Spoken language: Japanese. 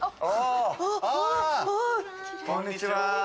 こんにちは。